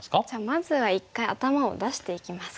まずは一回頭を出していきますか。